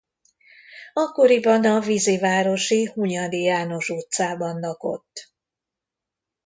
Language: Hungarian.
Akkoriban a vízivárosi Hunyadi János utcában lakott.